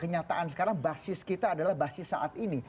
kenyataan sekarang basis kita adalah basis saat ini